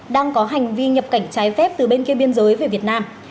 đang có hành vi nhập cảnh trái phép từ bên kia biên giới về việt nam